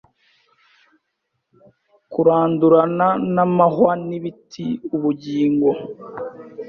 Kurandurana namahwa nibiti Ubugingo